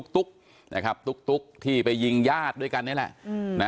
ตุ๊กนะครับตุ๊กที่ยิงยาดด้วยกันแท้แหละ